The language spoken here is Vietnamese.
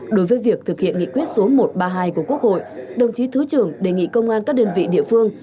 đối với việc thực hiện nghị quyết số một trăm ba mươi hai của quốc hội đồng chí thứ trưởng đề nghị công an các đơn vị địa phương